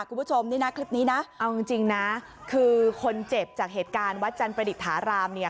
คุณผู้ชมนี่นะคลิปนี้นะเอาจริงนะคือคนเจ็บจากเหตุการณ์วัดจันประดิษฐารามเนี่ย